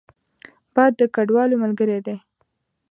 باد د کډوالو ملګری دی